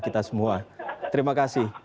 kita semua terima kasih